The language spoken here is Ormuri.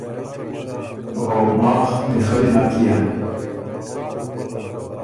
او ماخ میخلّي نک يېن۔